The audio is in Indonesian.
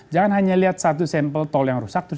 jangan hanya lihat satu sampel tol yang rusak